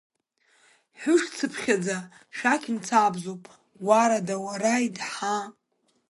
Ҳәышцыԥхьаӡа шәақь мцабзуп, Уарада, уарааид, ҳаа!